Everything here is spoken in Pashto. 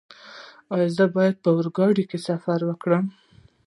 ایا زه باید په اورګاډي کې سفر وکړم؟